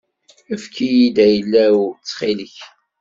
Efk-iyi-d ayla-w ttxil-k.